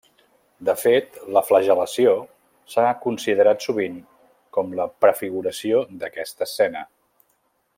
De fet, la flagel·lació s'ha considerat sovint com la prefiguració d'aquesta escena.